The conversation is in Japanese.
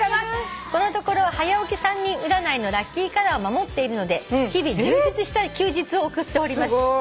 このところ『はや起き３人占い』のラッキーカラーを守っているので日々充実した休日を送っております」